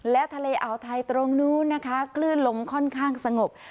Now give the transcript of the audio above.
และทะเลอ่าวไทยตรงนู้นนะคะคลื่นลมค่อนข้างสงบ